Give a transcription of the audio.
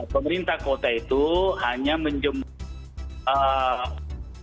pemerintah kota itu hanya menjemput